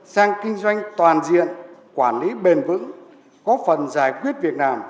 sang kinh doanh toàn diện quản lý bền vững có phần giải quyết việc nàm